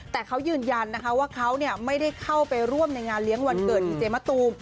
แต่เขายืนยันนะคะว่าเขาไม่ได้เข้าไปร่วมในงานเลี้ยงวันเกิดดีเจมะตูม